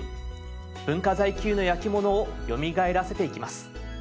文化財級の焼き物をよみがえらせていきます。